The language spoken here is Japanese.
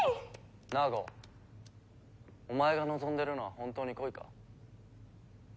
ナーゴお前が望んでるのは本当に恋か？